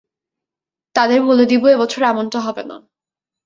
তাদের বলে দিব এবছর এমনটা হবে না।